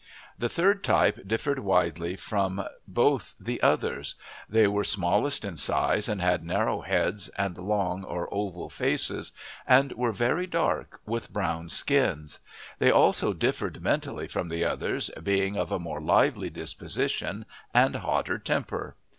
The third type differed widely from both the others. They were smallest in size and had narrow heads and long or oval faces, and were very dark, with brown skins; they also differed mentally from the others, being of a more lively disposition and hotter temper.